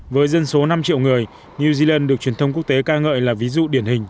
với dân số năm triệu người new zealand được truyền thông quốc tế ca ngợi là ví dụ điển hình